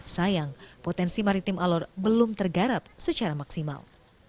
sayang potensi maritim alor belum tergarap secara maksimal